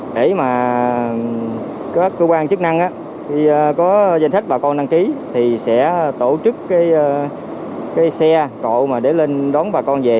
để mà các cơ quan chức năng khi có danh sách bà con đăng ký thì sẽ tổ chức cái xe cộ mà để lên đón bà con về